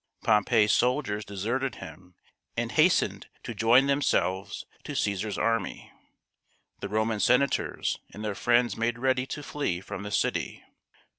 Pompey's soldiers deserted him and hastened to join themselves to Caesar's army. The Roman senators and their friends made ready to flee from the city.